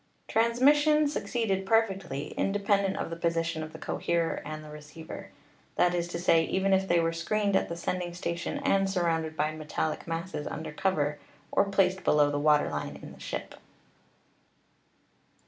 Transmission succeeded perfectly, independent of the position of the coherer and the receiver; that is to say, even if they were screened at the sending station and surrounded by metallic masses under cover or placed below the water line in the ship.